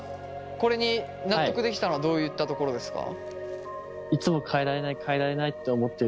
これに納得できたのはどういったところですか？